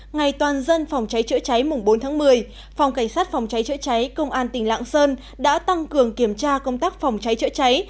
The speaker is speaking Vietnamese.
ngày toàn dân phòng cháy chữa cháy mùng bốn tháng một mươi phòng cảnh sát phòng cháy chữa cháy công an tỉnh lạng sơn đã tăng cường kiểm tra công tác phòng cháy chữa cháy